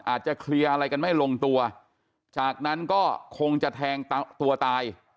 อาจจะเคลียร์อะไรกันไม่ลงตัวจากนั้นก็คงจะแทงตัวตาย